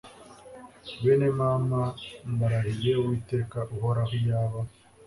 bene mama mbarahiye uwiteka uhoraho iyaba